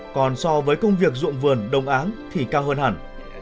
còn so với công việc dụng vườn đồng áng thì cao hơn hẳn